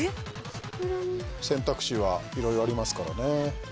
選択肢はいろいろありますからね。